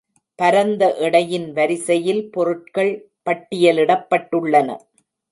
பரந்த எடையின் வரிசையில் பொருட்கள் பட்டியலிடப்பட்டுள்ளன.